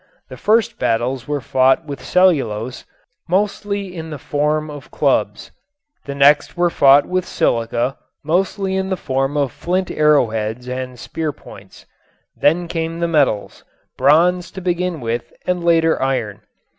The first battles were fought with cellulose, mostly in the form of clubs. The next were fought with silica, mostly in the form of flint arrowheads and spear points. Then came the metals, bronze to begin with and later iron.